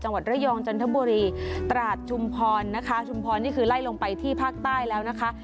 จังหวัดระยองจันทบุรีตราดชุมพรนะคะชุมพรนี่คือไล่ลงไปที่ภาคใต้แล้วนะคะ